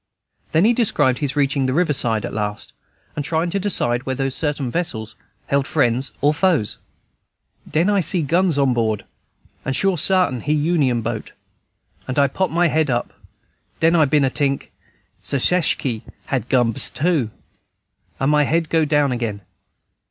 Then he described his reaching the river side at last, and trying to decide whether certain vessels held friends or foes. "Den I see guns on board, and sure sartin he Union boat, and I pop my head up. Den I been a tink [think] Seceshkey hab guns too, and my head go down again.